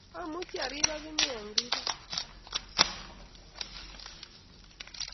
Amuchi arir ak inye eng rirek